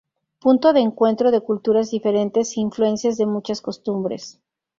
Punto de encuentro de culturas diferentes e influencias de muchas costumbres.